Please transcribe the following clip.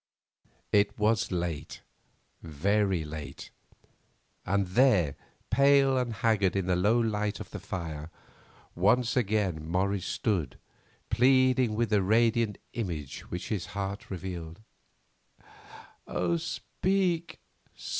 It was late, very late, and there, pale and haggard in the low light of the fire, once again Morris stood pleading with the radiant image which his heart revealed. "Oh, speak!